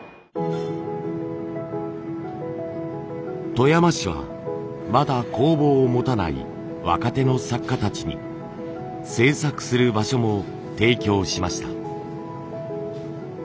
富山市はまだ工房を持たない若手の作家たちに制作する場所も提供しました。